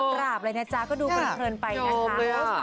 กราบเลยนะจ๊ะก็ดูเป็นเผินไปนะจ๊ะ